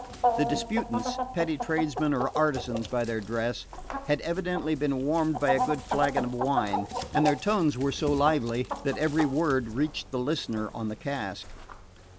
The disputants, petty tradesman or artisans by their dress, had evidently been warmed by a good flagon of wine, and their tones were so lively that every word reached the listener on the cask.